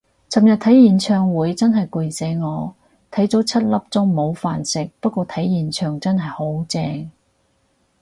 尋日睇演唱會真係攰死我，睇足七粒鐘冇飯食，不過睇現場真係好正